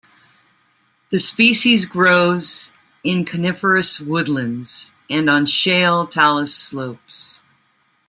The species grows in coniferous woodlands and on shale talus slopes.